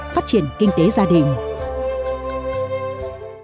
phát triển kinh tế gia đình